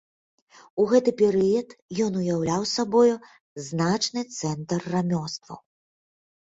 У гэты перыяд ён уяўляў сабою значны цэнтр рамёстваў.